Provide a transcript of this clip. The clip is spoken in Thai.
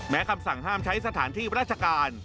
คำสั่งห้ามใช้สถานที่ราชการ